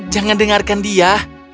jangan dengarkan dia